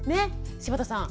柴田さん